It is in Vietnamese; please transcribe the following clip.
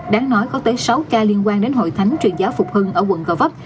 đáng nói có tới sáu ca liên quan đến hội thánh truyền giáo phục hưng ở quận gò vấp